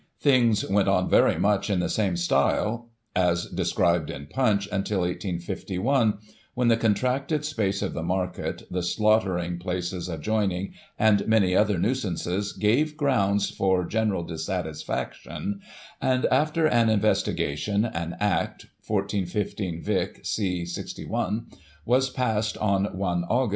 Things went on very much in the same style as described in Punch until 185 1, when the contracted space of the market, the slaughtering places adjoining, and many other nuisances, gave grounds for general dissatisfaction, and after an investigation, an Act (14 15 Vic, c 61) was passed on i Aug.